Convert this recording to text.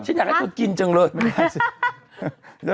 ฉันอยากให้เธอกินจังเลย